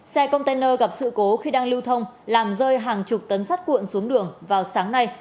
xe container gặp sự cố khi đang lưu thông làm rơi hàng chục tấn sắt cuộn xuống đường vào sáng nay